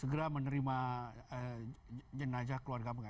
segera menerima jenazah keluarga